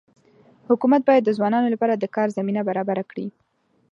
حکومت باید د ځوانانو لپاره د کار زمینه برابره کړي.